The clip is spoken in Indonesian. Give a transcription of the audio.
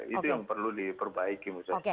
itu yang perlu diperbaiki